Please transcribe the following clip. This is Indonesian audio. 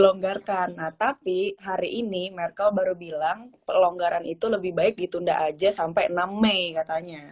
dilonggarkan nah tapi hari ini merkel baru bilang pelonggaran itu lebih baik ditunda aja sampai enam mei katanya